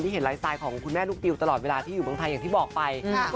ที่เห็นไลน์ไสต์ของคุณแม่ลูกดิวตลอดเวลาที่อยู่เมืองไทย